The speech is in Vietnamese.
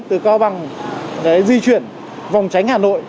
từ cao bằng di chuyển vòng tránh hà nội